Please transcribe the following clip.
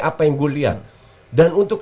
apa yang gue lihat dan untuk